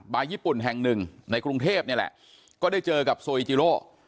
ญี่ปุ่นแห่งหนึ่งในกรุงเทพนี่แหละก็ได้เจอกับโซอิจิโร